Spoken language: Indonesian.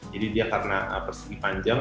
jadi dia karena persegi panjang